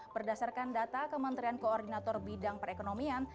berdasarkan data kementerian koordinator bidang perekonomian